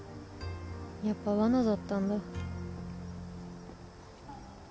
やっぱわなだったんだ